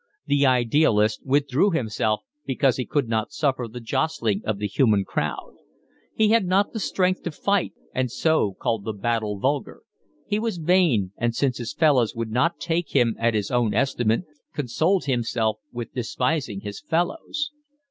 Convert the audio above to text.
The idealist withdrew himself, because he could not suffer the jostling of the human crowd; he had not the strength to fight and so called the battle vulgar; he was vain, and since his fellows would not take him at his own estimate, consoled himself with despising his fellows.